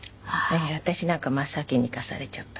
私なんか真っ先に行かされちゃったの。